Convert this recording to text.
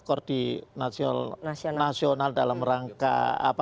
kordinasional dalam rangka apa